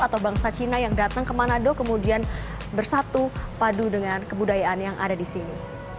atau bangsa cina yang datang ke manado kemudian bersatu padu dengan kebudayaan yang ada di sini